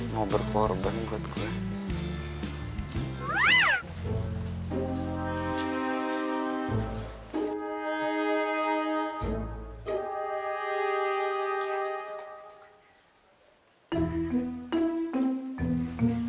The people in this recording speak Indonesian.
mau berkorban buat gue